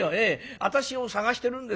私を捜してるんです。